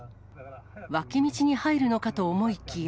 脇道に入るのかと思いきや。